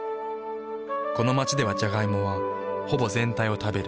この街ではジャガイモはほぼ全体を食べる。